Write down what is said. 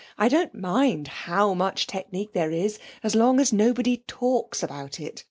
I don't mind how much technique there is, as long as nobody talks about it.